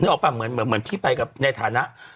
ออกป่ะเหมือนพี่ไปกับในฐานะ